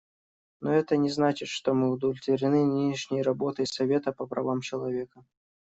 Но это не значит, что мы удовлетворены нынешней работой Совета по правам человека.